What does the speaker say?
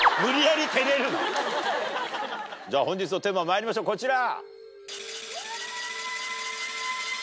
じゃ本日のテーマまいりましょうこちら。